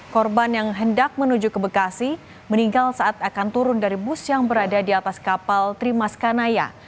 korban yang hendak menuju ke bekasi meninggal saat akan turun dari bus yang berada di atas kapal trimas kanaya